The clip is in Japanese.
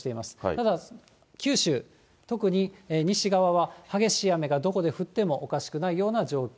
ただ九州、特に西側は激しい雨がどこで降ってもおかしくないような状況。